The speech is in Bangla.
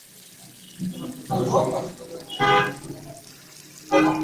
দেখিলাম, মূলধনের সমস্ত তলা একেবারে ক্ষইয়া গেছে।